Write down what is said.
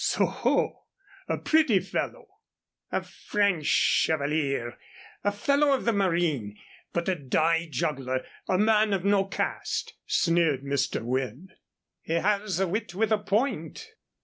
"Soho! a pretty fellow." "A French chevalier a fellow of the Marine; but a die juggler a man of no caste," sneered Mr. Wynne. "He has a wit with a point."